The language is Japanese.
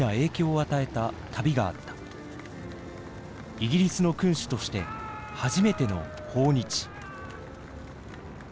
イギリスの君主として初めての訪日。